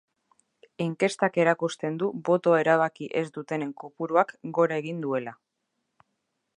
Inkestak erakusten du botoa erabaki ez dutenen kopuruak gora egin duela.